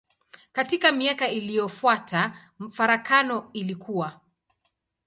Katika miaka iliyofuata farakano ilikua.